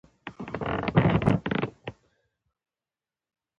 یا، زه د کندهار نه یم زه د هرات پښتون یم.